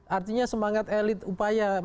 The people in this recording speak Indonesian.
artinya semangat elit upaya